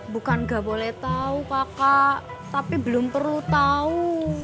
bukan nggak boleh tahu kakak tapi belum perlu tahu